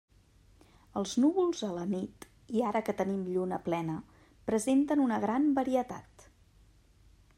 Els núvols a la nit, i ara que tenim lluna plena, presenten una gran varietat.